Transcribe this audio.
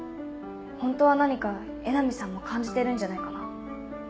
ホントは何か江波さんも感じてるんじゃないかな。